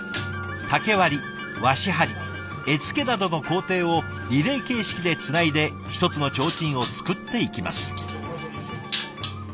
竹割り和紙貼り絵付けなどの工程をリレー形式でつないで一つの提灯を作っていきます。